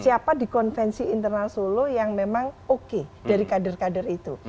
siapa di konvensi internal solo yang memang oke dari kader kader itu